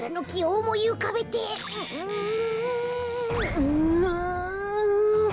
うん。